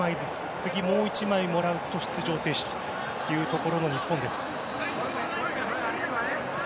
次、もう１枚もらうと出場停止というところの日本。